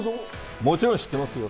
もちろん知ってますよ。